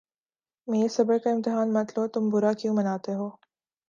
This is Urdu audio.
میرے صبر کا امتحان مت لو تم برا کیوں مناتے ہو